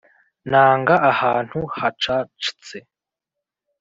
nanga ahantu hacactse